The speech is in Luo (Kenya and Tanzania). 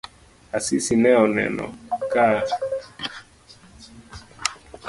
Asisi ne oneno ka ochandore koda rem malich.